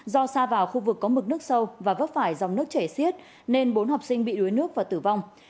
do xa vào khu vực có mực nước sâu và vấp phải dòng nước chảy xiết nên bốn học sinh bị đuối nước và tử vong